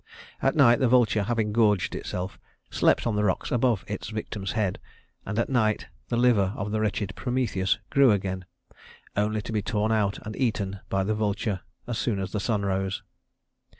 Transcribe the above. At night the vulture, having gorged itself, slept on the rocks above its victim's head; and at night the liver of the wretched Prometheus grew again, only to be torn out and eaten by the vulture as soon as the sun rose.